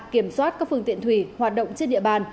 kiểm soát các phương tiện thủy hoạt động trên địa bàn